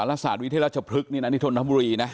รัฐศาสตร์วิทยาลัยเฉพลึกนี้นะนิทรณบุรีนะ